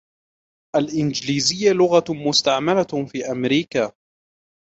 الإنجليزية لغة مستعملة في أمريكا.